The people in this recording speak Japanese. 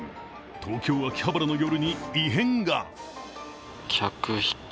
東京・秋葉原の夜に異変が。